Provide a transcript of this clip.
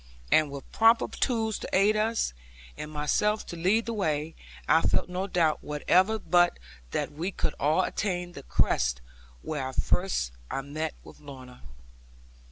And with proper tools to aid us, and myself to lead the way, I felt no doubt whatever but that we could all attain the crest where first I had met with Lorna.